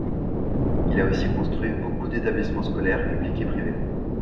Il a aussi construit beaucoup d’établissements scolaires, publics et privés.